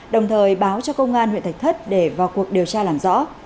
đồng thời báo cho công an huyện thạch thất để vào cuộc điều tra làm rõ